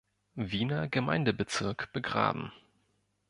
Wiener Gemeindebezirk begraben.